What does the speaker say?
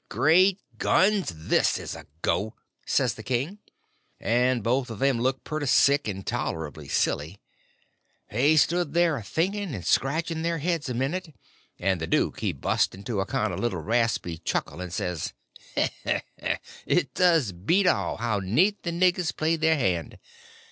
"Great guns, this is a go!" says the king; and both of them looked pretty sick and tolerable silly. They stood there a thinking and scratching their heads a minute, and the duke he bust into a kind of a little raspy chuckle, and says: "It does beat all how neat the niggers played their hand.